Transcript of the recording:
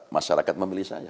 masyarakat memilih saya